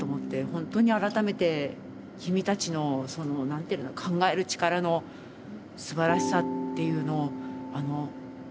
本当に改めて君たちのその何ていうの考える力のすばらしさっていうのをまざまざと思い出しました。